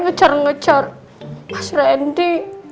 ngejar ngejar mas randy